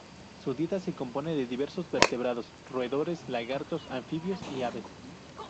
Su dieta se compone de diversos vertebrados: roedores, lagartos, anfibios y aves.